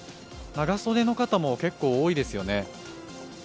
長袖の方も結構多いですよね。